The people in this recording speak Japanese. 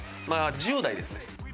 まだ１０代ですね。